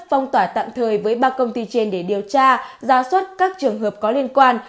phong tỏa tạm thời với ba công ty trên để điều tra ra suất các trường hợp có liên quan